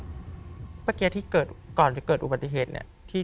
เมื่อกี้ที่เกิดก่อนจะเกิดอุบัติเหตุเนี่ย